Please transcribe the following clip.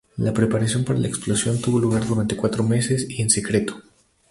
La preparación para la explosión tuvo lugar durante cuatro meses y en secreto.